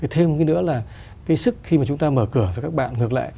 thêm cái nữa là cái sức khi mà chúng ta mở cửa cho các bạn ngược lại